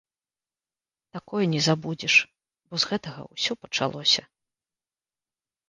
Такое не забудзеш, бо з гэтага ўсё пачалося.